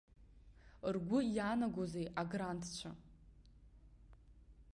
Ргәы иаанагозеи аграндцәа?